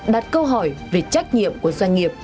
đặt câu hỏi về trách nhiệm của doanh nghiệp